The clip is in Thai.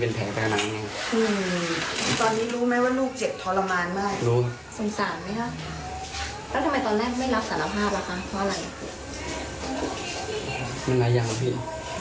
เป็นไรนะครับพี่